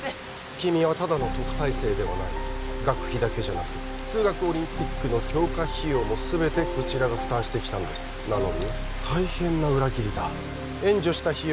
君はただの特待生ではない学費だけじゃなく数学オリンピックの強化費用も全てこちらが負担してきたんですなのに大変な裏切りだ援助した費用